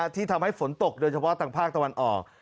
ที่ทำให้ฝนตกโดยเฉพาะทางภาคตะวันออก